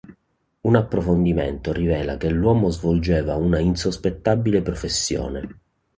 Un approfondimento rivela che l'uomo svolgeva una insospettabile "professione".